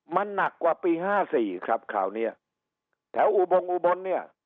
มันหนักกว่าปีห้าสี่ครับคราวเนี้ยแถวอุบงอุบลเนี่ย